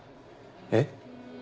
えっ？